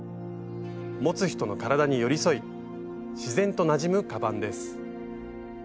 持つ人の体に寄り添い自然となじむカバンです。